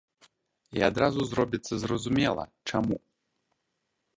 І адразу зробіцца зразумела, чаму.